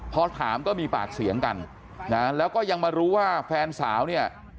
พอถามก็มีปากเสียงกันนะแล้วก็ยังมารู้ว่าแฟนสาวเนี่ย